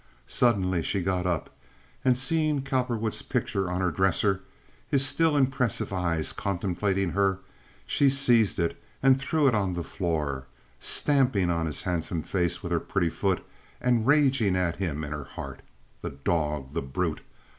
Suddenly she got up, and, seeing Cowperwood's picture on her dresser, his still impressive eyes contemplating her, she seized it and threw it on the floor, stamping on his handsome face with her pretty foot, and raging at him in her heart. The dog! The brute!